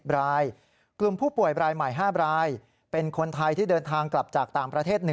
รายกลุ่มผู้ป่วยรายใหม่๕รายเป็นคนไทยที่เดินทางกลับจากต่างประเทศ๑